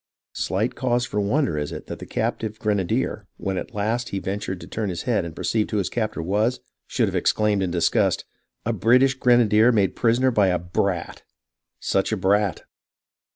Slight cause for wonder is it that the captive grenadier, when at last he ventured to turn his head and perceived who his captor was, should have ex claimed in disgust :" A British grenadier made a prisoner by a brat ! Such a brat